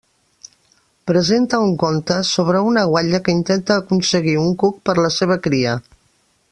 Presenta un conte sobre una guatlla que intenta aconseguir un cuc per la seva cria.